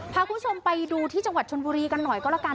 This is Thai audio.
พาคุณผู้ชมไปดูที่จังหวัดชนบุรีกันหน่อยก็แล้วกัน